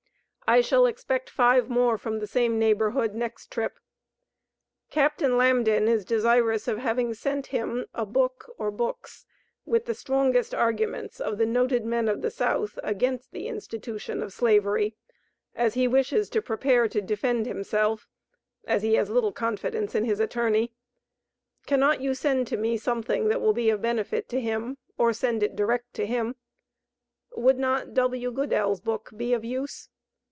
I shall expect five more from the same neighborhood next trip. Captain Lambdin is desirous of having sent him a book, or books, with the strongest arguments of the noted men of the South against the institution of slavery, as he wishes to prepare to defend himself, as he has little confidence in his attorney. Cannot you send to me something that will be of benefit to him, or send it direct to him? Would not W. Goodell's book be of use?